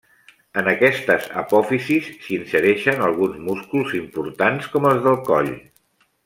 En aquestes apòfisis s'hi insereixen alguns músculs importants com els del coll.